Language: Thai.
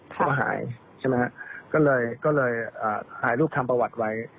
เขาก็หายใช่ไหมฮะก็เลยถ่ายรูปทำประวัติไว้